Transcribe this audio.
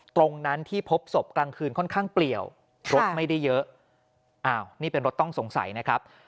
ตรงนั้นที่พบศพกลางคืนค่อนข้างเปลี่ยวรถไม่ได้เยอะอ้าวนี่เป็นรถต้องสงสัยนะครับ